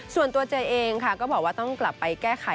ส่วนตัวเจเองค่ะก็บอกว่าต้องกลับไปแก้ไข